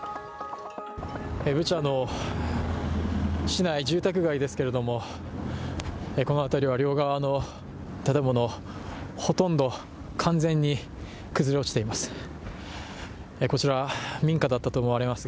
ブチャの市内、住宅街ですけれども、この辺りは両側の建物ほとんど完全に崩れ落ちています。